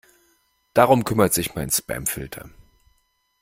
Darum kümmert sich mein Spamfilter.